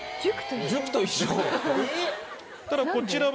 ただこちらは。